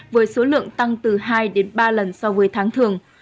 với số lượng tăng từ hai đến ba lần so với tháng thường